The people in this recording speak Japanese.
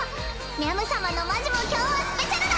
みゃむ様のマジも今日はスペシャルだ！